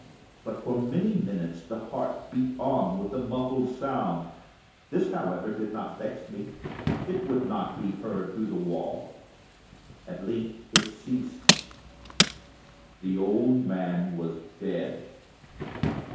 But, for many minutes, the heart beat on with a muffled sound. This, however, did not vex me; it would not be heard through the wall. At length it ceased. The old man was dead.